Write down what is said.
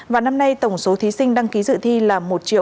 và năm nay tổng số thí sinh đăng ký dự thi là một hai mươi bốn sáu mươi ba